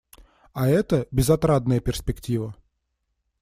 А это − безотрадная перспектива.